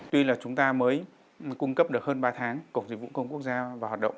tuy là chúng ta mới cung cấp được hơn ba tháng cổng dịch vụ công quốc gia vào hoạt động